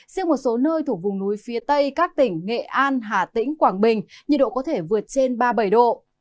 riêng một số nơi thuộc vùng núi phía tây các tỉnh nghệ an hà tĩnh quảng bình nhiệt độ có thể vượt trên ba mươi bảy độ